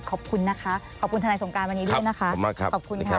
ขอบคุณนะคะขอบคุณธนัยสงการวันนี้ด้วยนะคะขอบคุณค่ะ